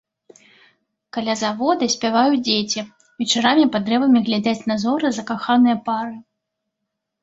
Каля завода спяваюць дзеці, вечарамі пад дрэвамі глядзяць на зоры закаханыя пары.